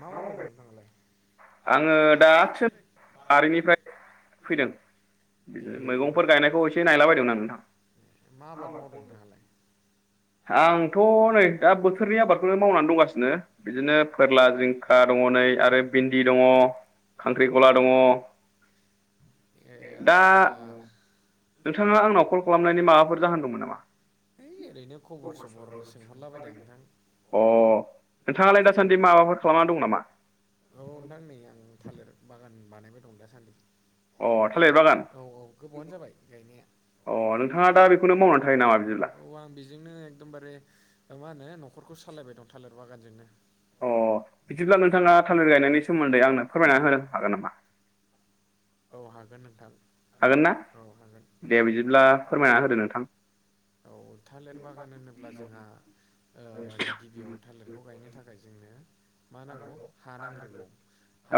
मा मावबबाय दं नोंथाङालाय? आङो दासो बारिनिफ्राय फैदों बिदिनो दंफां मैगंफोर गायनायखौ एसे नायलाबायदों नायलाबायायदोंमोन आं माने। नोंथां मा आबाद मावदों नोंथाङालाय आंथ' नै दा बोथोरनि आबादखौनो मावनानै दंगासिनो बिदिनो फोरला जिंखा दङ नै आरो भिन्दि दङ खांख्रि खला खांख्रिखला दङ ए दा आतसा नोंथाङा आंनाव कल खालामनायनि माबाफोर जाहोन दंमोन नामा? है ओरैनो खबर सबर सोंहरलाबायदां नोंथां अ नोंथाङालाय दासान्दि माबाफोर खालामना दं नामा? औ नोंथां नै आं थालिर बागान बानायबाय दं दासान्दि अ अ थालिर बागान औ औ गोबावानो जाबाय गायनाया अ नोंथाङा दा बेखौनो मावनानै थायो नामा बिदिब्ला? औ आं बेजोंनो एकदमबारे मा होनो न'खरखौ सालायबाय दं थालिर बागानजोंनो अ बिदिब्ला नोंथाङा थालिरायनायनि सोमोन्दै आंनो फोरमायना होनो हागोन नामा? औ हागोन नोंथां हागोन ना दे बिदिब्ला फोरमायना होदो नोंथां औ थालिर बागान होनोब्ला जोंहा ओ गिबियाव थालिरखौ गायनो थाखाय जोंनो मा नांगौ हा नांग्रोगौ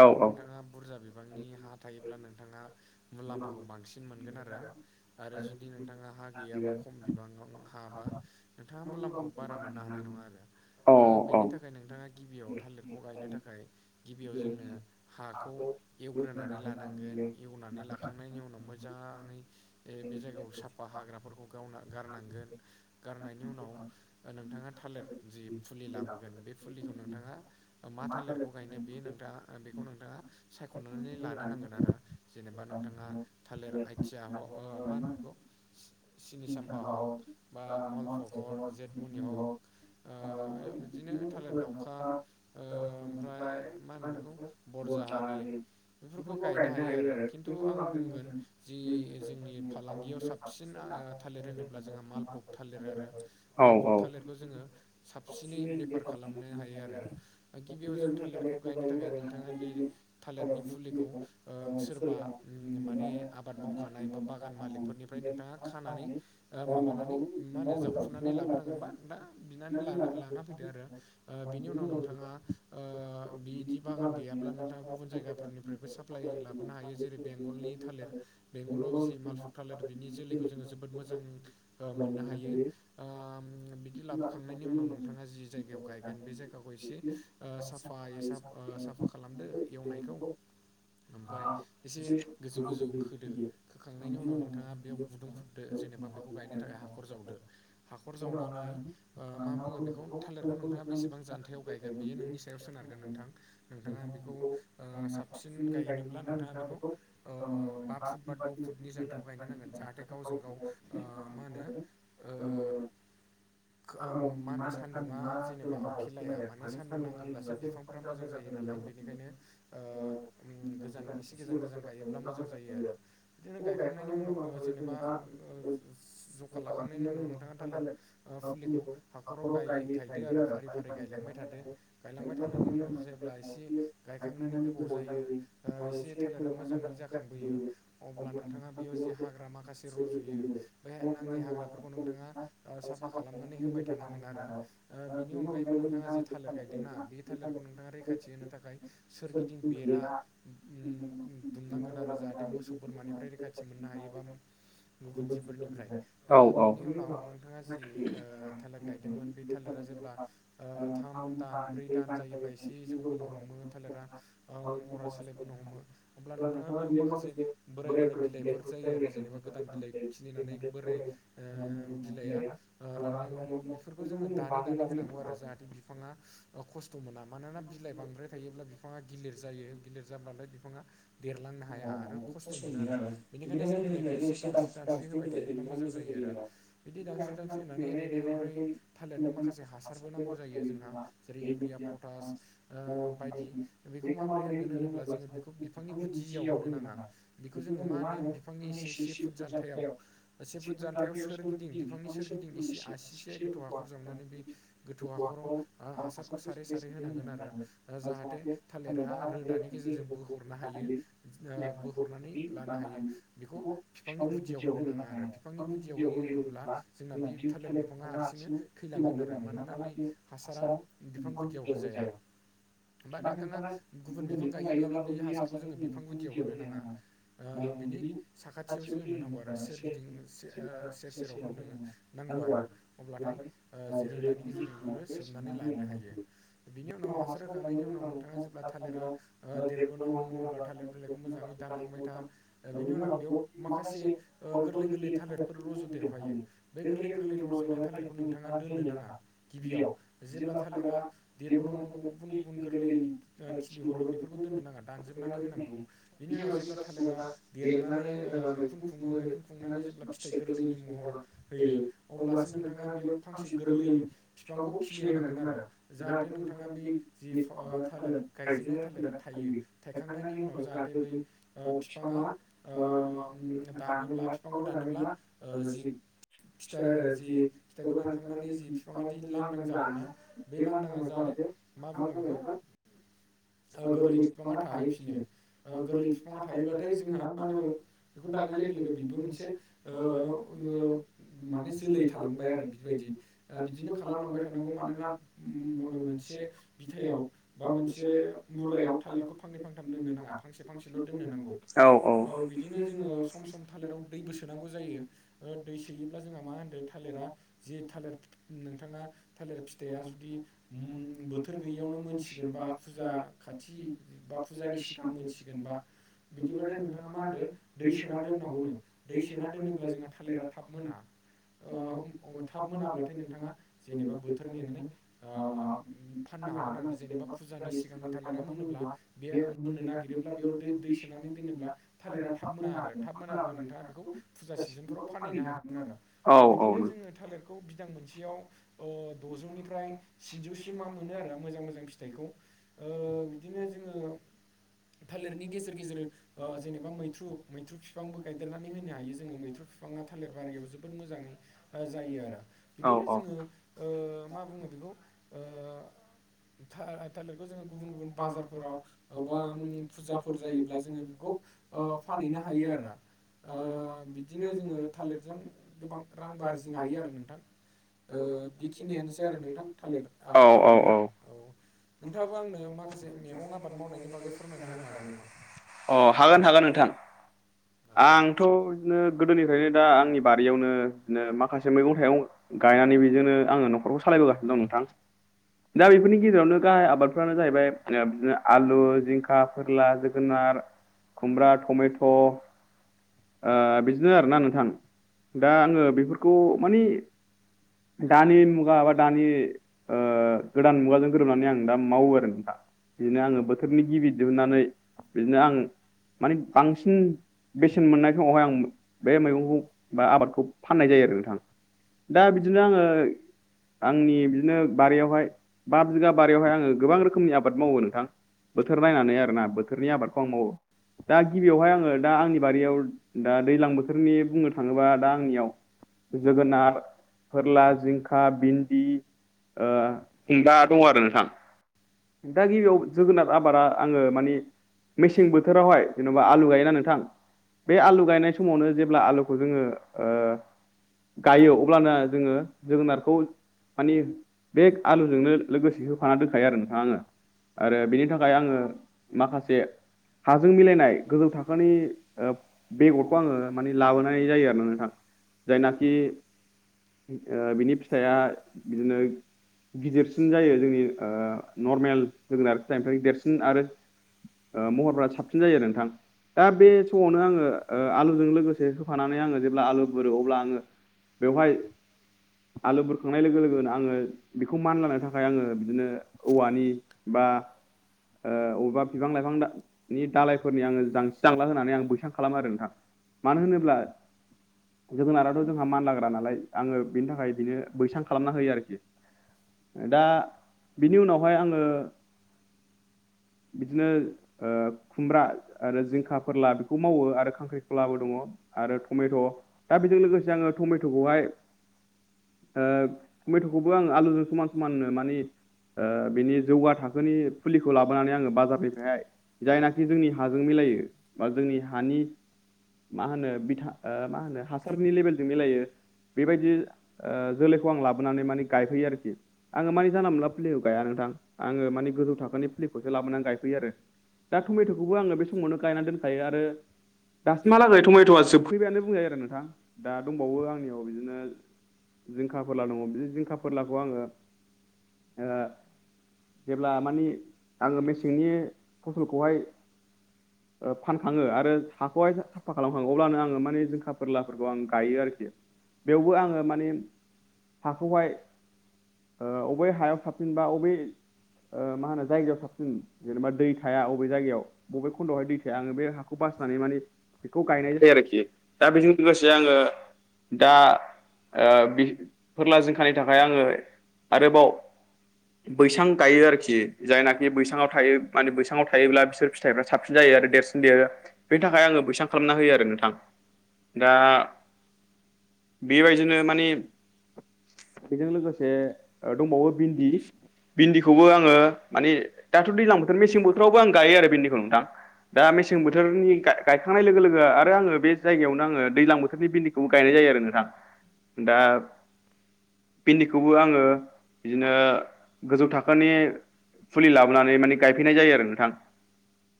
औ औ नोंथाङा बुरजा बिबांनि हा थायोब्ला नोंथाङा मुलाम्फाखौ बांसिन मोनगोन आरो आरो जुदि नोंथाङा हा गैयाबा बिबां खाबा नोंथाङा मुलामाखौ बारा मोन्नो हानाय नङा आरो औ ओ बेनि थाखाय नोंथाङा गिबियाव थालिरखौ गायनो थाखाय गिबियाव जोंनो हाखौ एवग्रोनानै लानांगोन हखांनायनि उनाव मोजाङै बे जायगायाव साफा हाग्राफोरखौ गावना गारनांगोन गारनायनि उनाव नोंथाङा थालिर जि फुलि लाबोगोन बे फुलिखौ नोंथाङा मा थालिरखौ गायनो बेयो नोंथाङा बेखौ नोंथाङा सायख'नानै लानो नांगोन आरो जेनेबा नोंथाङा थालिर आइथिया ह मा होनो बेखौ सिनि साम्फा हक ब मल फखर जेटमनि हक ओ ब बिदिनो बिदि थालिर दाउखा नथा ओमफ्राय मा होनो बेखौ बरजाहारि बेफोरखौ गायनो हायो आरो खिन्थु आं बुंगोन जि जोंनि फालांगियाव साबसिन थालिर होनोब्ला जोंहा मालपक थालिर आरो औ माल फक थालिरखौ जोङो साबसिनै बेफार खालामनो हायो आरो गिबियाव जों थालिरखौ गायनो थाखाय नोंथाङा बे थालिरनि फुलिखौ सोरबा माने आबाद मावखानाय बा बागान मालिकफोरनिफ्राय नोंथाङा खानानै ओ माबानानै मा होनो जावखुनानै लाबोनांगोनबा दा बिनानै लाना फैदो आरो बिनि उनाव नोंथाङा ओ बिदि बागान गैयाब्ला नोंथाङा गुबुन जायगाफोरनि फ्रायबो साप्लाइ लाबोनो हायो जेरै बेंगलनि थालिर बेंगलाव जि मालफुग थालिर बिनि जोलैखौ जोङो जोबोद मोजां मोजां मोननो हायो ओ बिदि लाबोखांनायनि उनाव नोंथाङा जि जायगायाव गायगोन बे जायगाखौ एसे ओ साफायै साफ साफा खालामदो एवनायखौ ओमफ्राय आ एसे गोजौ गोजौ खोदो खोखांनायनि उनाव नोंथाङा बेयाव बुदुं खुबदो एबा बेखौ गायनो थाखाय हाखर जावदो हाखर जावनानै मा बुङो बेखौ थालिरखौ नोंथाङा बेसेबां जान्थायाव गायगोन बियो नोंनि सायाव सोनारगोन नोंथां नोंथाङा बेखौ ओ साबसिन गायनोब्ला नोंथाङा बेखौ ओ बा फुट बा द' फुटनि जान्थायाव गायनो नांगोन जाहाथे गावजों गाव ओ मा होनो ओ मा होनो सान्दुंङा जेनेबा आवथिलाया माने सान्दुं नाङोब्लासो बिफां फोरा मोजां जायो नालाय बेनिखायनो ओ गोजान एसे गोजान गोजान गायोब्ला मोजां जायो आरो बिदिनो गायखांनायनि उनाव जेनेबा जखा लाखांनायनि उनाव नोंथाङा थालिर फुलिखौ हाखराव गायै गाय दो आरो फारि फारि गायलांबाय थादो गायलांबाय थानायनि उनाव जेब्ला एसे गायखांनानै गोबाव जायो ओ एसे थालिरा मोजाङै जाखांबोयो अब्ला नोंथाङा बेयाव जे हाग्रा माखासे ए रज'यो बे नाङै हाग्राफोरखौ नोंथाङा साफा खालामनानै होबाय थानांगोन आरो बेनि अनगायैबो नोंथाङा जि थालिर गायदोंना बे थालिरखौ नोंथाङा रैखाथि होनो थाखाय सोरगिदिं बेरा दुमनांगोन आरो जाहाथे मोसौ बोरमानिफ्राय रैखाथि मोननो हायोबा गुबुन जिफोरनिफ्राय ओ औ औ बिनि उनाव नोंथाङा जि ओ थालिर गायदोंमोन बे थालिरा जेब्ला थाम दान ब्रै दान जायोबा एसे जौबोनो हमो थालिरा महर सोलायबोनो हमो अब्ला नोंथाङा बेयाव माखासे बोराय बोराय बिलाइफोर जायो आरो जेनेबा गोदान खिनिनानै बोराय ओ बिलाइआ रानलांनो हमो बेफोरखौ जोङो दानै दानै होनांगौ आरो जाहाथे बिफाङा खस्थ' मोना मानोना बिलाइ बांद्राय थायोब्ला बिफाङा गिलिर जायो गिलिर जाब्लाालाय बिफाङा देरलांनो हाया आरो खस्थ' मोनो आरो बेनिखायनो जों बिलाइखौ एसे दानसु सानस्रि होबाय थायोब्ला मोजां जायो आरो बिदि दानस्रि दानस्रि होनानै ओरैनो ओमफ्राय थालिरनो माखासे हासारबो नांगौ जायो जोंहा जेरै इउरिया पटास ओ बायदि बेखौ माबोरै होगोन होनोब्ला जोङो बिखौ बिफां गुदियाव होनो नाङा बिखौ जोङो मा होनो बिफांनि एसे से फुट जान्थायाव से भुट जान्थायाव सोरगिदिं बिफांनि सोरगिदिं एसे आसिसे गोथौ हाखर जावनानै बै गोथौ हाखराव हासारखौ सारै सारै होनांगोन आरो ओ जाहाथे थालिरा रोदानि गेजेरजों बोहरनो हायो ओ बोहरनानै लानो हायो बिखौ बिफांनि गुदियाव होनो नाङा आरो बिफांनि गुदियाव होयोब्ला जोंना बि थालिर बिफाङा हारसिंनो थैलांगोन आरो मानोना बे हासारा बिफां गुदियाव होजाया बा नोंथाङा गुबुन बिफां गायोब्लाबो बिदि हासारखौ जोंङो बिफां गुदियाव होनो नांङा ओ बिनि साखाथियाव होनो नांगौ आरो सोरगिदिं ओ सेर सेराव होनो नांगौ आरो अब्लाथाय ओ जिरो दानि गेजेरजों बेफोरो सोमनानै लानो हायो। बिनि उनाव हासार होखांनायनि उनाव नोंथाङा जेब्ला थालिरा ओ देरबो था बेनि उनाव बेयाव [inaudible] माखासे ओ गोरलै गोरलै थालिरफोर रज'देरफायो बे गोरलै गोरलै रज'नाय थालिर खौ नोंथाङा दोननो नाङा गिबियाव जेब्ला थालिरा बेबो नंमारगौ गुबुन गुबुन गोरलैओ खिलिहरो बेफोरखौ दोननो नाङा दानजोबनानै होनांगौ बिनि उनाव जेब्ला थालिरा देरनानै ओ मैखुन खुङो मैखुन खुंनानै जेब्ला फिथाइ गोरलैनि महर होयो अब्लासो नोंथाङा बियाव फांसे गोरलै फिफांखौ खिलिहांगोन आरो जाहाथे नोंथाङा बै जि थालिर गायजेनन्नाय थालिरा थायो थायखांनायनि उनाव जाहाथे बै ओ बिफाङा ओ दानोब्ला फिफांखौ दानोब्ला ओ जि फिथाइ जि फिथाइखौ दानखांनानै जि बिफाङा दि लांदां जागोनना बे लांदाङा जाहाथे मा बुङो बिखौ ओ गोरलै बिफाङा थाहैफिनो ओ गोरलै बिफाङा थाहैबाथाय जोंहा मा होनो बेखौ दाननाय लोगो लोगो बेबो मोनसे ओ ओ माने जोलै थालांबाय आरो बिबायदि ओ बिदिनो खालामलांबाय थानांगौ मानोना मोम ओ मो मो मोनसे बिथायाव बा मोनसे बे मुरायाव थालेरखौ फांनै फांथाम दोननो नाङा फांसे फांसेल' दोननो नांगौ औ बिदिनो जोङो सम सम थालिराव दैबो सोनांगौ जायो ओ दै सोयोब्ला जोंहा मा होनदों थालिरा जि थालिर नोंथाङा थालिर फिथाइया जुदि बोथोर गैयियावनो मोनसिगोनबा फुजा खाथि बा फुजानि सिगां मोनसिगोन बा बिदिबाथाय नोंथाङा मा होनदो दै सोना दोननांगौनो दै सोना दोनोब्ला जोंहा थालिरा थाब मोना ओम थाब मोनाब्लाथाय नोंथाङा जेनेबा बोथोर नेनानै ओम फाननो हागोन आरो जेनेबा फुज मोननो नागिरोब्ला बेयाव दै दै सोनानै दोनोब्ला थालिरा [unintelligible] थाब मोना आरो थाब मोनाब्ला नोंथाङा बिखौ फुजा सिजोनफोराव फानहैनो हागोन आरो बिदिनो जोङो थालिर खौ बिदां मोनसेयाव ओ द'जौनिफ्राय स्निजौसिमा मोनो आरो मोजां मोजां फिथाइखौ। ओ बिदिनो जोङो थालिरनि गेजेर गेजेर ओ जेनेबा मै थ्रु मैथ्रु फिफांबो गायदेरनानै होनो हायो जोङो मैथ्रु फिफाङा थालिर बारियाव जोबोद मोजाङै ओ जायो आरो बिदिनो जोङो ओ मा बुङो बिखौ ओ था थालेर बे जोङो गुबुन गुबुन बाजारफोराव बा नों फुजाफोर जायोब्ला जोङो बिखौ ओ फानहैनो हायो आरो। ओ बिदिनो जोङो थालिरजों गोबां रांबो आरजिनो हायो आरो नोंथां। ओ बिखिनियानोसै आरो नोंथां थालिर आ औ आबादा। औ नोंथाङाबो आंनो माखासे मेगं आबाद मावनायनि बागै फोरमायना होनो हागोन नामा? अ हागोन हागोन नोंथां। आंथ' इदिनो गोदोनिफ्रायनो दा आंनि बारियावनो बिदिनो मा माखासे मैगं थाइगं गायनानै बिजोंनो आङो न'खरखौ सालायबोगासिनो दं नोंथां दा दानि बिफोरनि गेजेरावनो हाय आबादफ्रानो जाहैबाय बिदिनो आलु जिंखा फोरला जोगोनार खुमब्रा टमेट' ओ बिदिनो आरोना नोंथां दा आङो बेफोरखौ माने दानि मुगा बा दानि ओ गोदान मुगाजों गोरोबनानै आं दाम मावो आरो नोंथां बिदिनो आङो बोथोरनि गिबि दिहुननानै बिदिनो आं माने बांसिन बेसेन मोननाय समावहाय आं बे मैगंखौ बा आबादखौ फाननाय जायो आरो नोंथां दा बिदिनो आङो आंनि बिदिनो बारियावहाय बा बिगा बारियावहाय आङो गोबां रोखोमनि आबाद मावो नोंथां बोथोर नायनानै आरोना बोथोरनि आबादखौ आं मावो। दा गिबियावहाय आङो दा आंनि बारियाव दा दैज्लां बोथोरनि बुंनो थाङोबा दा आंनियाव जोगोनार फोरला जिंखा भिन्दि ओ [unintelligible] दङ' आरो नोंथां दा गिबियाव जोगोनार आबादा आङो माने मेसें बोथोरावहाय जेन'बा आलु गायोना नोंथां बे आलु गायनाय समावनो जेब्ला आलुखौ जोङो ओ गायो अब्लाना जोङो जोगोनारखौ मानि माने बे आलुजोंनो लोगोसे होफाना दोनखायो आरो नोंथाङा आङो आरो बिनि थाखाय आङो माखासे हाजों थाम्फै मिलायनाय गेलेनाय गोहौ गोहो थाखोनि बेगरखौ आङो माने लाबोनाय जायो आरोना नोंथां जायनाकि जायनाखि ओ बिनि फिथाइया बिदिनो गिदिरसिन जायो जोंनि ओ नर्मेल होगोनार फिथाइनिफ्राय देरसिन आरो ओ महरफोरा साबसिन जायो नोंथां। दा बे समावनो आङो ओ आलुजों लोगोसे होफानानै आङो जेब्ला आलु बोरो अब्ला आङो बेवहाय आलु बुरखांनाय लोगो लोगोनो आङो बेखौ मान लानो थाखाय आङो बिदिनो औवानि बा ओ अबावबा बिफां -लाइफां दा नि दालायफोरनि आङो जांस जांला होननानै आं बैसां खालामो आरो नोंथां मानो होनोब्ला जोगोनाराथ' जोंहा मानलाग्रा नालाय आङो बेनि थाखाय इदिनो बैसां खालामना होयो आरोखि दा बिनि उनावहाय आङो [inaudible] बिदिनो ओ खुमब्रा आरो जिंखा फोरला बेखौ मावो आरो खांख्रिखलाबो दङ' आरो थमेथ' दा बेजों लोगोसे आङो थमेथ'खौहाय ओ दा थमेथ'खौबो आं आलुजों समान समान होनो मानि ओ बिनि जौगा थाखोनि फुलिखौ लाबोनानै आङो बाजारनिफायहाय जायनाखि जोंनि हाजों मिलायो बा जोंनि हानि मा होनो बिथा ओ मा होनो हासारनि लेबेलजों मिलायो बेबायदि ओ जोलैखौ आं लाबोनानै माने गायफैयो आरोखि आं आङो माने जानला मोनला फुलिखौ गाया नोंथां आङो माने गोजौ थाखोनि फुलिखौसो लाबोनानै गायफैयो आरो [unintelligible] दा थमेथ'खौबो आङो बे समावनो गायना दोनखायो आरो दासिमहालागै थमेथ'आ ज जोबफैबायानो बुंजायो आरो नोंथां। दा दंबावो आंनियाव बिदिनो जिंखा फोरला दङ' बिदि जिंखा फोरलाखौ आङो ओ जेब्ला मानि आङो मेसेंनि फसलखौहाय [inaudible] ओ फानखाङो आरो हाखौहाय [unintelligible] साफा खालामखाङो अब्लानो आङो माने जिंखा फोरलाफोरखौ आं गायो आरोखि बेवबो बेयावबो आङो मानि माने हाखौहाय ओ अबे हायाव साबसिन बा बबे ओ मा होनो जायगायाव साबसिन जेनेबा दै थाया अबे जायगायाव बबे खन्दआवहाय दै थाया आङो बे हाखौ बासिनानै माने बेखौ गायनाय जायो आरोखि दा बेजों लोगोसे आङो दा ओ फोरला जिंखानि थाखाय आङो आरोबाव बैसां गायो आरोखि जायनाखि बैसाङाव थायो माने बैसाङाव थायोब्ला बिसोर फिथाइफ्रा साबसिन जायो आरो देरसिन देरो बेनि थाखाय आङो बैसां खालामना होयो आरो नोंथां दा बेबायदिनो माने बेजों लोगोसे दंबावो भिन्दि भिन्दिखौबो आङो माने दाथ' दैज्लां बोथोर मेसें बोथोरावबो आं गायो आरो बिन्दिखौ नोंथां। दा मेसें बोथोरनि गा गायखांनाय लोगो लोगो आरो आङो बे जायगायावनो आङो दैलां बोथोरनि बिन्दि खौबो गायनाय जायो आरो नोंथां दा बिन्दिखौबो आङो बिदिनो गोजौ थाखोनि फुलि लाबोनानै माने गायफैनाय जायो आरो नोंथां।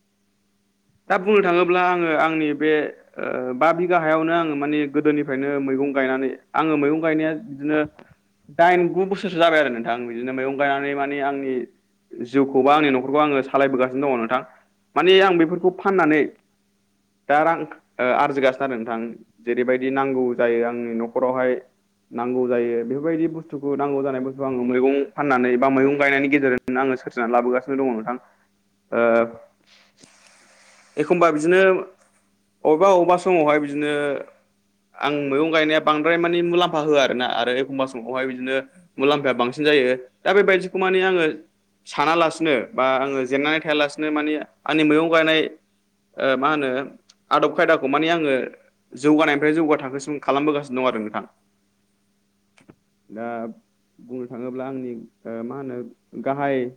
[unintelligible] दा बुंनो थाङोब्ला आङो आंनि बे ओ बा बिगा हायावनो आङो माने गोदोनिफ्रायनो मैगं गायनानै आङो मैगं गायनाया बिदिनो दाइन गु बोसोरसो जाबाय आरो नोंथां बिदिनो मैगं गायनानै माने आंनि जिउखौबो आंनि न'खरखौ आङो सालायबोगासिनो दङ नोंथां माने आं बेफोरखौ फाननानै दा रां ओ आरजिगासिनो आरो नोंथां। जेरैबायदि नांगौ जायो आंनि न'खरावहाय नांगौ जायो बेफोरबायदि बुस्थुखौ नांगौ जानाय थु आङो मैगं फाननानै बा मैगं गायनायनि गेजेरजोंनो आङो सोरिनानै लाबोगासिनो दङ नोंथां। ओ एखमबा बिदिनो अबेबा अबेबा समावहाय बिदिनो आं मैगं गायनाया बांद्राय माने मुलाम्फा होआ आरोना आरो एखमबा समावहाय बिदिनो मुलाम्फाया बांसिन जायो दा बेबायदिखौ माने आङो सानालासिनो बा आङो जेननानै थायालासिनो माने आंनि मैगं गायनाय ओ मा होनो आदब खायदाखौ माने आङो जौगानायनिफ्राय जौगा थाखोसिम खालामबोगासिनो दं आरो नोंथां। [unintelligible] दा बुंनो थाङोब्ला आंनि ओ मा होनो गाहाय